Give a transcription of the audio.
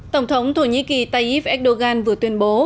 tổng thống thổ nhĩ kỳ tayyip erdogan vừa tuyên bố